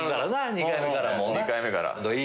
２回目から。